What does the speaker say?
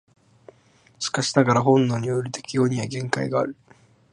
しかしながら本能による適応には限界がある。